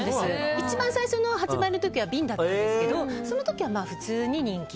一番最初の時は瓶だったんですけどその時は普通に人気。